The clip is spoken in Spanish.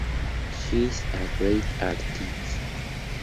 She's a great artist.